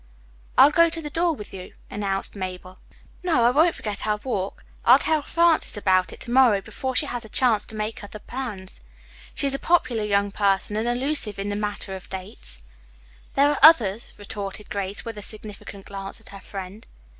"I'll go to the door with you," announced Mabel. "No, I won't forget our walk. I'll tell Frances about it to morrow, before she has a chance to make any other plans. She is a popular young person, and elusive in the matter of dates." "There are others," retorted Grace, with a significant glance at her friend.